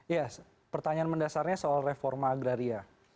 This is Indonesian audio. ya pertanyaan mendasarnya soal reforma agraria